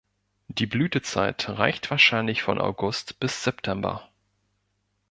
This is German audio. Die Blütezeit reicht wahrscheinlich von August bis September.